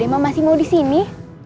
dede mah masih mau disini